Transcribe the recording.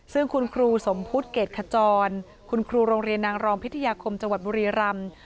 ซึ่งคุณครูสมพุทธเกรดขจรคุณครูโรงเรียนนางรองพิทยาคมจังหวัดบุรีรำ